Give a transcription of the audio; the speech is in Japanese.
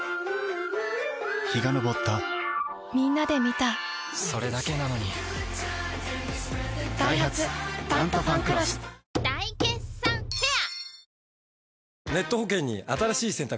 陽が昇ったみんなで観たそれだけなのにダイハツ「タントファンクロス」大決算フェア